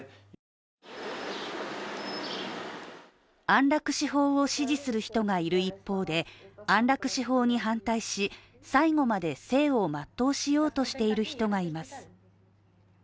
安楽死法を支持する人がいる一方で安楽死法に反対し最後まで生を全うしようとしている人がいます。